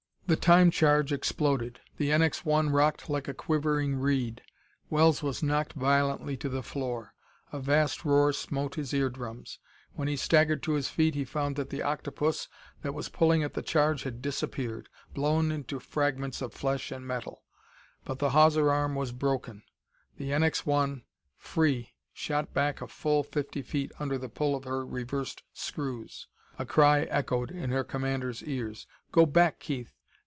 The time charge exploded. The NX 1 rocked like a quivering reed; Wells was knocked violently to the floor; a vast roar smote his ear drums. When he staggered to his feet he found that the octopus that was pulling at the charge had disappeared blown into fragments of flesh and metal. But the hawser arm was broken! The NX 1, free, shot back a full fifty feet under the pull of her reversed screws. A cry echoed in her commander's ears: "Go back, Keith!